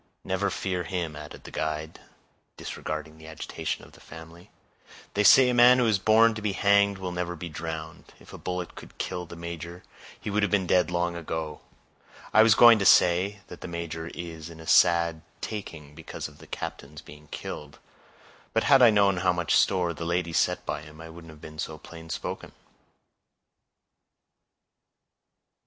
"Never fear him," added the guide, disregarding the agitation of the family. "They say a man who is born to be hanged will never be drowned; if a bullet could kill the major, he would have been dead long ago. I was going to say, that the major is in a sad taking because of the captain's being killed; but had I known how much store the lady set by him, I wouldn't have been so plain spoken."